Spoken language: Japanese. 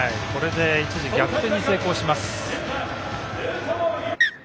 これで一時、逆転に成功します。